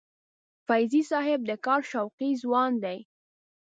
فیضي صاحب د کار شوقي ځوان دی.